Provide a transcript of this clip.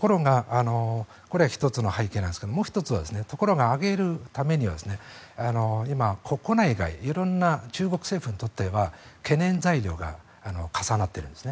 これ、１つの背景なんですがもう１つはところが上げるためには今、国内外、色んな中国にとっては懸念材料が重なっているんです。